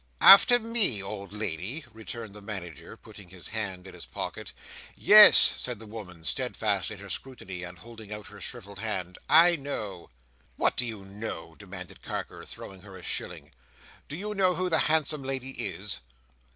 "After me, old lady!" returned the Manager, putting his hand in his pocket. "Yes," said the woman, steadfast in her scrutiny, and holding out her shrivelled hand. "I know!" "What do you know?" demanded Carker, throwing her a shilling. "Do you know who the handsome lady is?"